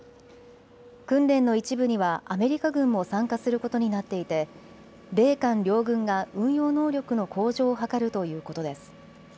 訓練の一部にはアメリカ軍も参加することになっていて米韓両軍が運用能力の向上を図るということです。